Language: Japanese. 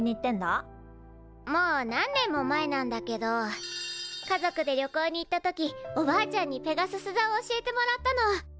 もう何年も前なんだけど家族で旅行に行った時おばあちゃんにペガスス座を教えてもらったの。